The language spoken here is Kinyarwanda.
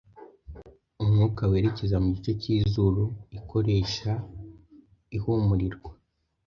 umwuka werekeza mu gice k’izuru ikoresha ihumurirwa.